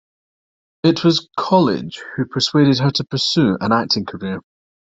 It was Colledge who persuaded her to pursue an acting career.